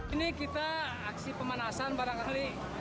ini kita aksi pemanasan barangkali